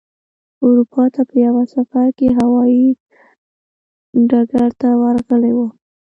اروپا ته په یوه سفر کې هوايي ډګر ته ورغلی و.